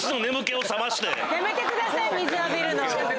やめてください水浴びるの。